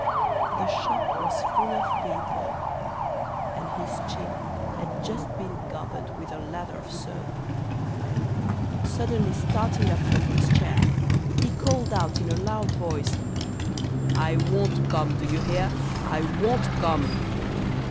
The shop was full of people, and his chin had just been covered with a lather of soap, when, suddenly starting up from the chair, he called out in a loud voice: 'I won't come, do you hear? I won't come!